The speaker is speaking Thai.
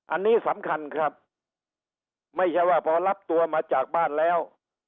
อันนี้สำคัญครับไม่ใช่ว่าพอรับตัวมาจากบ้านแล้ว